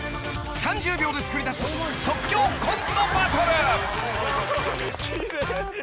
３０秒で作り出す即興コントバトル